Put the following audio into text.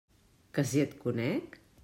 Que si et conec!